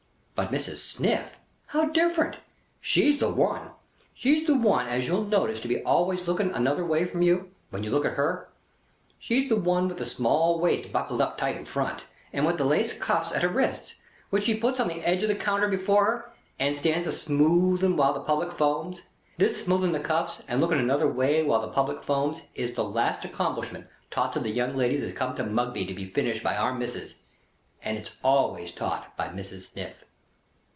But Mrs. Sniff. How different! She's the one! She's the one as you'll notice to be always looking another way from you, when you look at her. She's the one with the small waist buckled in tight in front, and with the lace cuffs at her wrists, which she puts on the edge of the counter before her, and stands a smoothing while the public foams. This smoothing the cuffs and looking another way while the public foams, is the last accomplishment taught to the young ladies as come to Mugby to be finished by Our Missis; and it's always taught by Mrs. Sniff.